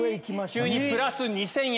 急にプラス２０００円。